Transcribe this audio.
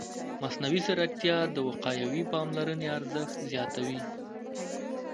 مصنوعي ځیرکتیا د وقایوي پاملرنې ارزښت زیاتوي.